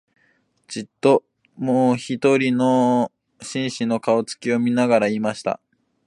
じっと、もひとりの紳士の、顔つきを見ながら言いました